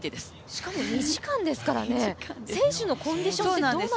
しかも２時間ですからね、選手のコンディションはどうなるんですかね。